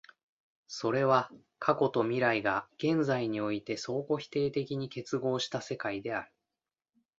それは過去と未来が現在において相互否定的に結合した世界である。